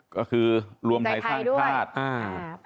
ก็คือรวมไทยชาติภาษา